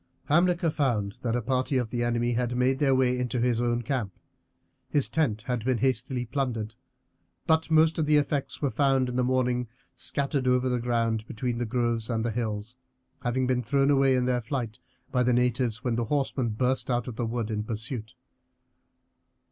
Hamilcar found that a party of the enemy had made their way into his own camp. His tent had been hastily plundered, but most of the effects were found in the morning scattered over the ground between the groves and the hills, having been thrown away in their flight by the natives when the horsemen burst out of the wood in pursuit.